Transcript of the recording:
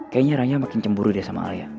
kayaknya ranya makin cemburu deh sama alia